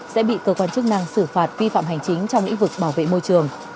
sẽ bị cơ quan chức năng xử phạt vi phạm hành chính trong lĩnh vực bảo vệ môi trường